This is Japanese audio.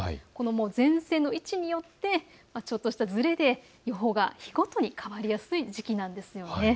前線の位置によって、ちょっとしたずれで、予報が日ごとに変わりやすい時期なんです。